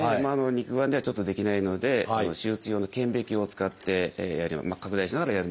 肉眼ではちょっとできないので手術用の顕微鏡を使って拡大しながらやるので大丈夫ですね。